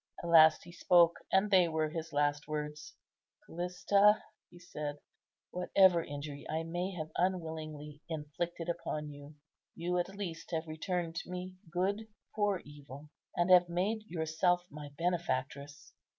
At last he spoke, and they were his last words. "Callista," he said, "whatever injury I may have unwillingly inflicted upon you, you at least have returned me good for evil, and have made yourself my benefactress.